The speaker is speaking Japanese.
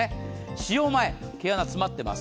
使用前、脂が詰まってます。